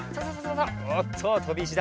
おっととびいしだ。